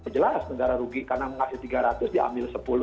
jelas negara rugi karena menghasilkan tiga ratus dia ambil sepuluh